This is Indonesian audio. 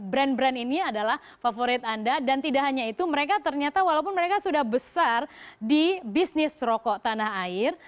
brand brand ini adalah favorit anda dan tidak hanya itu mereka ternyata walaupun mereka sudah besar di bisnis rokok tanah air